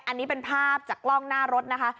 อันนี้เป็นภาพจากกล้องหน้ารถนะคะ